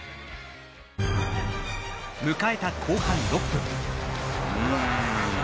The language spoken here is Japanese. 迎えた後半６分。